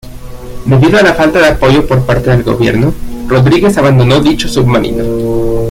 Debido a la falta de apoyo por parte del gobierno, Rodríguez abandonó dicho submarino.